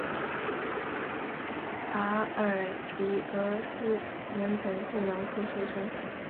戈耳狄俄斯原本是农夫出身。